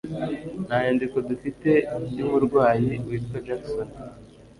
Nta nyandiko dufite yumurwayi witwa Jackson.